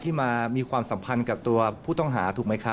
แต่ว่าอันนี้คือเหมือนเขาเอาของมาวางเยอะมากค่ะ